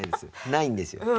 ないんですよ。